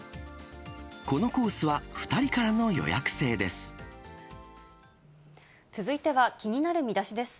このコースは２人からの予約制です。